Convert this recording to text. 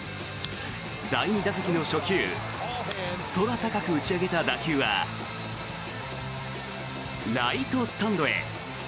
第２打席の初球空高く打ち上げた打球はライトスタンドへ。